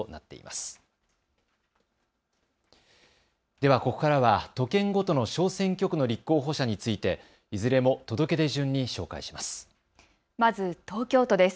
ではここからは都県ごとの小選挙区の立候補者についていずれも届け出順に紹介します。